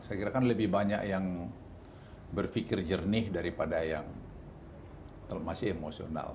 saya kira kan lebih banyak yang berpikir jernih daripada yang masih emosional